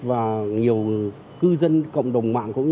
và nhiều cư dân cộng đồng mạng